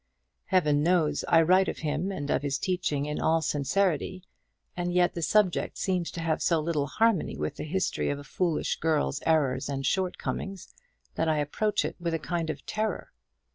Heaven knows I write of him and of his teaching in all sincerity, and yet the subject seems to have so little harmony with the history of a foolish girl's errors and shortcomings, that I approach it with a kind of terror.